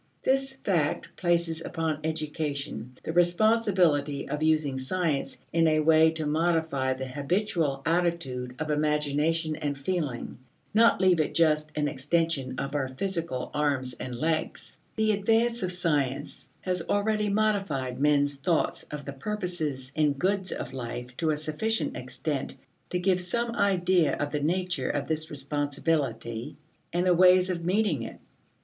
This fact places upon education the responsibility of using science in a way to modify the habitual attitude of imagination and feeling, not leave it just an extension of our physical arms and legs. The advance of science has already modified men's thoughts of the purposes and goods of life to a sufficient extent to give some idea of the nature of this responsibility and the ways of meeting it.